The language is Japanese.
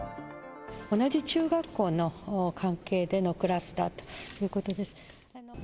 同じ中学校の関係でのクラスターということです。